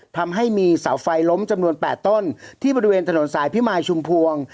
ทำให้มีเสาไฟล้มจำนวน๘ต้นที่บริเวณถนนสายพิมายชุมพวง